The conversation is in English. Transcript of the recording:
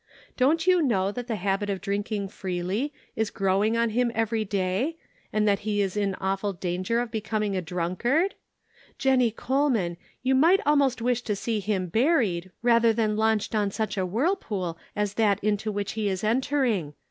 Don't you know that the habit of Shirking Responsibility. drinking freely is growing on him every day, and that he is in awful danger of becoming a drunkard? Jennie Coleman, you might almost wish to see him buried, rather than launched on such a whirlpool as that into which he is entering.